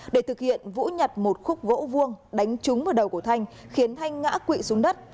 để thực hiện vũ nhặt một khúc gỗ vuông đánh trúng vào đầu của thanh khiến thanh ngã quỵ xuống đất